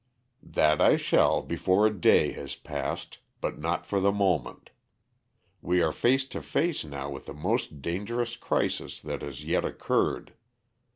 "That I shall before a day has passed, but not for the moment. We are face to face now with the most dangerous crisis that has yet occurred.